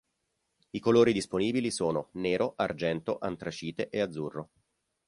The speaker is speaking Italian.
I colori disponibili sono: Nero, argento, antracite e azzurro.